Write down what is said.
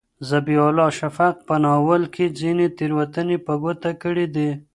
ذبیح الله شفق په ناول کې ځینې تېروتنې په ګوته کړي دي.